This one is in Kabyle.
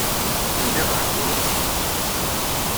Lliɣ ɛeyyuɣ.